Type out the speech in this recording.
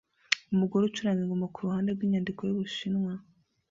Umugore acuranga ingoma kuruhande rwinyandiko yubushinwa